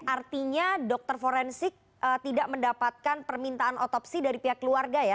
artinya dokter forensik tidak mendapatkan permintaan otopsi dari pihak keluarga ya